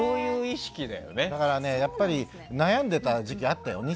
だからやっぱり悩んでた時期あったよ。